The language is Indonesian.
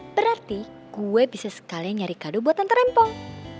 berarti gue bisa sekalian nyari kado buat tante rempong